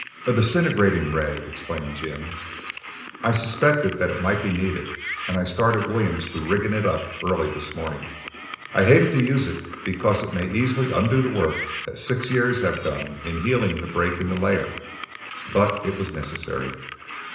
"A disintegrating ray," explained Jim. "I suspected that it might be needed and I started Williams to rigging it up early this morning. I hated to use it because it may easily undo the work that six years have done in healing the break in the layer, but it was necessary.